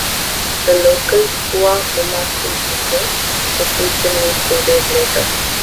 The local Fua Mulaku leaders received the news two days later.